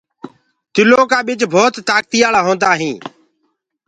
تل ڀوت تآڪتيآݪآ ٻج هوندآ هينٚ۔